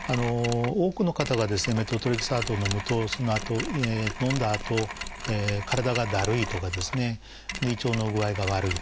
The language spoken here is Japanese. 多くの方がメトトレキサートをのむとそのあとのんだあと体がだるいとかですね胃腸の具合が悪いと言われます。